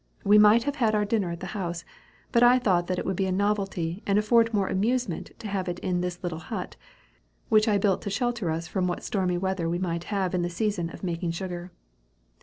We might have had our dinner at the house, but I thought that it would be a novelty, and afford more amusement to have it in this little hut, which I built to shelter us from what stormy weather we might have in the season of making sugar."